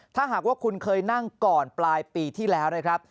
ถ้าหากว่าคุณเคยนั่งก่อนปลายปีที่แล้วนะครับ